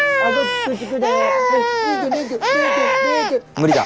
無理だ。